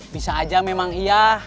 bisa aja memang iya